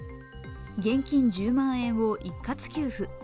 現金１０万円を一括給付。